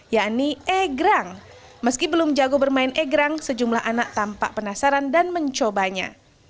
yakni egrang meski belum jago bermain egrang sejumlah anak tampak penasaran dan mencobanya